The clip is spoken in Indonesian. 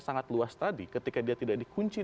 sangat luas tadi ketika dia tidak dikunci